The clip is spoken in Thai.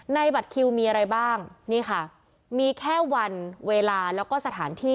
บัตรคิวมีอะไรบ้างนี่ค่ะมีแค่วันเวลาแล้วก็สถานที่